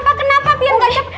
pian gak cepet